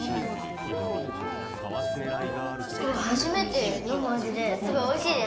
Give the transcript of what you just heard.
これはじめてのむあじですごいおいしいです。